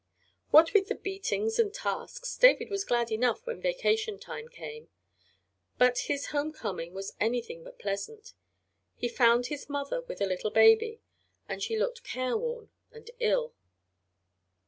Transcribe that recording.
What with the beatings and tasks, David was glad enough when vacation time came. But his home coming was anything but pleasant. He found his mother with a little baby, and she looked careworn and ill.